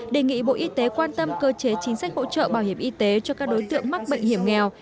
đề nghị bộ y tế quan tâm cơ chế chính sách hỗ trợ bảo hiểm y tế cho các đối tượng mắc bệnh hiểm nghèo